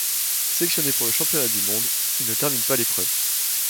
Sélectionné pour les championnat du monde, il ne termine pas l'épreuve.